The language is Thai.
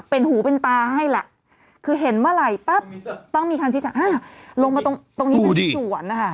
เป็นหูเป็นตาให้แหละคือเห็นเมื่อไหร่ปั๊บต้องมีคำชี้ชัดลงมาตรงนี้เป็นที่สวนนะคะ